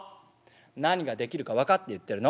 何ができるか分かって言ってるの？」。